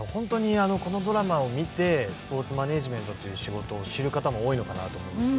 このドラマを見てスポーツマネジメントという仕事を知る方も多いのかなと思います。